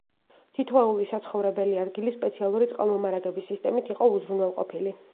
თითოეული საცხოვრებელი ადგილი სპეციალური წყალმომარაგების სისტემით იყო უზრუნველყოფილი.